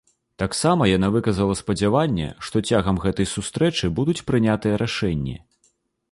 Таксама яна выказала спадзяванне, што цягам гэтай сустрэчы будуць прынятыя рашэнні.